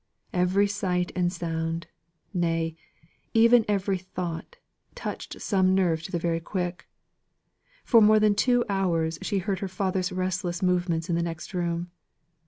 Every sight and sound nay, even every thought, touched some nerve to the very quick. For more than two hours, she heard her father's restless movements in the next room.